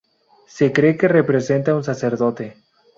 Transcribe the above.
Se cree que representa un sacerdote.